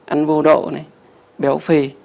ăn vô độ béo phì